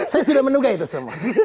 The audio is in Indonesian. saya sudah menduga itu semua